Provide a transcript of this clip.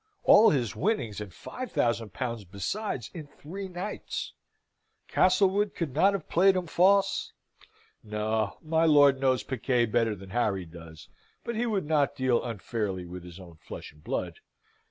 All his winnings, and five thousand pounds besides, in three nights. Castlewood could not have played him false? No. My lord knows piquet better than Harry does, but he would not deal unfairly with his own flesh and blood.